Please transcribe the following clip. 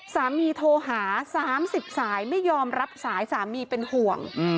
โทรหา๓๐สายไม่ยอมรับสายสามีเป็นห่วง